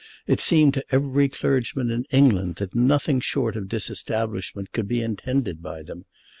It seemed to every clergyman in England that nothing short of disestablishment could be intended by them.